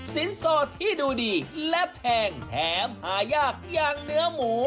สอดที่ดูดีและแพงแถมหายากอย่างเนื้อหมู